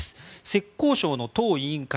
浙江省の党委員会